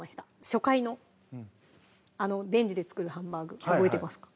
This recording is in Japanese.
初回のあのレンジで作るハンバーグ覚えてますか？